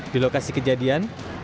di lokasi kejadiannya